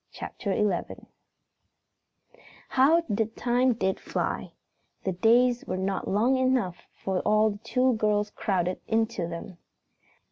CHAPTER XI How the time did fly! The days were not long enough for all the two girls crowded into them.